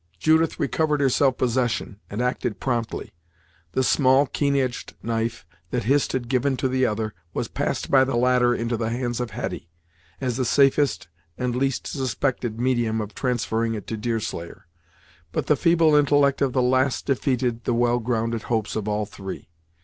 Judith recovered her self possession, and acted promptly. The small, keen edged knife that Hist had given to the other, was passed by the latter into the hands of Hetty, as the safest and least suspected medium of transferring it to Deerslayer. But the feeble intellect of the last defeated the well grounded hopes of all three.